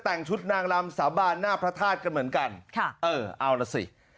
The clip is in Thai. เอาน่ะซิ